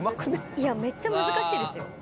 いやめっちゃ難しいですよ・